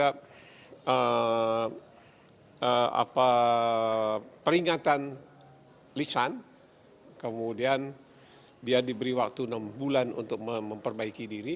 dia peringatan lisan kemudian dia diberi waktu enam bulan untuk memperbaiki diri